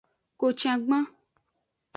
Kocangban.